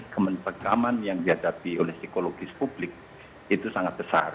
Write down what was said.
kementegaman yang dihadapi oleh psikologis publik itu sangat besar